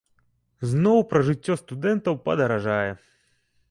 Зноў пражыццё студэнтаў падаражае.